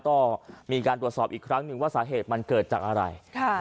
ก็มีการตรวจสอบอีกครั้งหนึ่งว่าสาเหตุมันเกิดจากอะไร